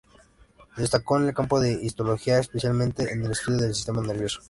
Destacó en el campo de la histología, especialmente en el estudio del sistema nervioso.